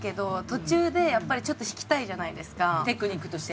テクニックとして？